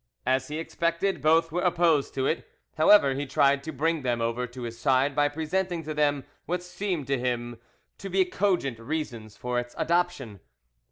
As he expected, both were opposed to it; however, he tried to bring them over to his side by presenting to them what seemed to him to be cogent reasons for its adoption.